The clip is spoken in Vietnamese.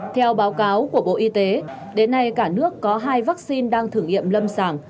theo báo cáo của bộ y tế đến nay cả nước có hai vaccine đang thử nghiệm lâm sàng